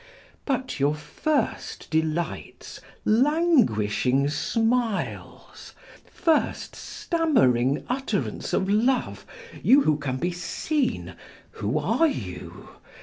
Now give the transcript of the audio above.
But your first delights, languishing smiles, first stammering utterance of love, you who can be seen, who are you?